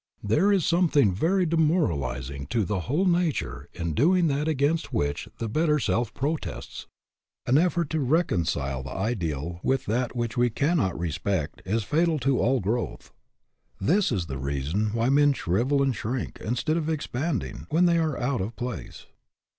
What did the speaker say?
There is something very demoralizing to the whole nature in doing that against which the better self protests. An effort to reconcile the ideal with that which we cannot respect is fatal to all growth. This is the reason why men shrivel and shrink, instead of expanding, when they are out of place.